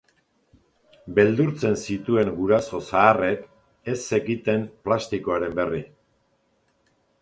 Beldurtzen zituen guraso zaharrek ez zekiten plastikoaren berri.